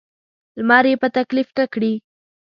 لمر یې په تکلیف نه کړي.